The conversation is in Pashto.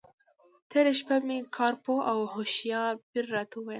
تېره شپه مې کار پوه او هوښیار پیر راته وویل.